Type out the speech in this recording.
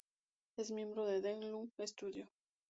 Es miembro de "Deng Lun Studio".